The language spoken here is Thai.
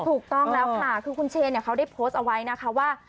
ถูกต้องแล้วค่ะคือคุณเชนเขาได้โพสต์เอาไว้นะคะว่า